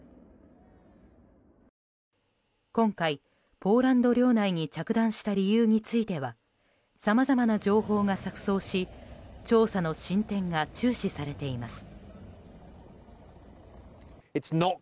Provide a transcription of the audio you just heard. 今回、ポーランド領内に着弾した理由についてはさまざまな情報が錯綜し調査の進展が注視されています。